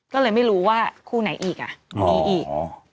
ก็เลยไม่รู้ว่าคู่ไหนอีกอ่ะมีอีก